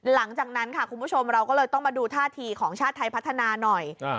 หลังจากนั้นค่ะคุณผู้ชมเราก็เลยต้องมาดูท่าทีของชาติไทยพัฒนาหน่อย